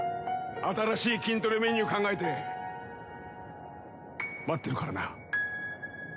新しい筋トレメニュー考えて待ってるからな！